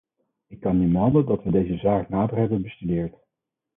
Ik kan nu melden dat we deze zaak nader hebben bestudeerd.